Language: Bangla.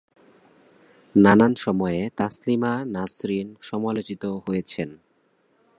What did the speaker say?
নানান সময়ে তসলিমা নাসরিন সমালোচিত হয়েছেন।